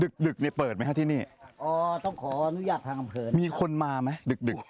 ดึกเนี่ยเปิดไหมฮะที่นี่อ๋อต้องขออนุญาตทางอำเภอมีคนมาไหมดึกดึก